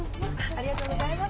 ありがとうございます。